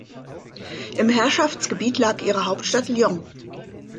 Im Herrschaftsgebiet lag ihre Hauptstadt Lyon.